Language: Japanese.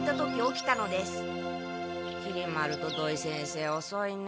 きり丸と土井先生おそいね。